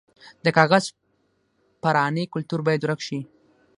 د کاغذ پرانۍ کلتور باید ورک شي.